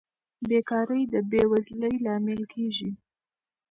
بېکاري د بې وزلۍ لامل کیږي.